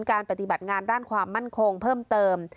การปฏิบัติงานด้านความมั่นคงเพิ่มเติม